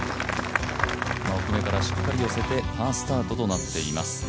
奥目からしっかり寄せて、パースタートとなっています。